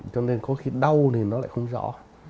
cho nên có khi đau thì nó lại không rõ